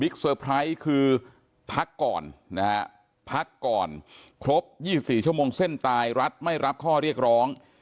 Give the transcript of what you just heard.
เซอร์ไพรส์คือพักก่อนนะฮะพักก่อนครบ๒๔ชั่วโมงเส้นตายรัฐไม่รับข้อเรียกร้อง